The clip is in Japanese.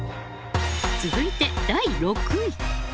続いて、第６位。